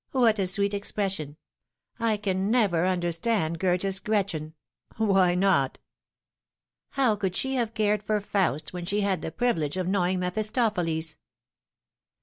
What a sweet expression ! I can never understand Goethe's Gretchen." " Why not ?"" How could she have cared for Faust, when she had the privilege of knowing MephLtopheles